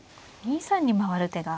２三に回る手が。